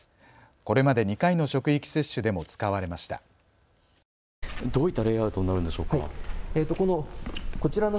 これまで２回の職域接種でも使われました。